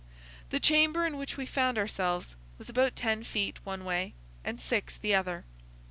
The chamber in which we found ourselves was about ten feet one way and six the other.